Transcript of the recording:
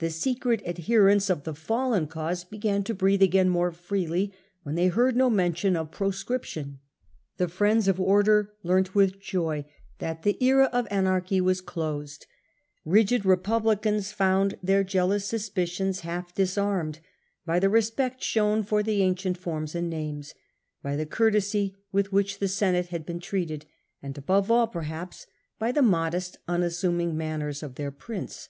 The secret adherents of the fallen cause began to breathe again more freely when they heard no mention of proscription ; the friends of order learnt with joy that the era of anarchy was closed ; rigid republicans found their jealous suspicions half disarmed by the respect shown for the ancient forms and names, by the courtesy with which the Senate had been treated, and above all, perhaps, by the modest, unassuming man Thc homei prince.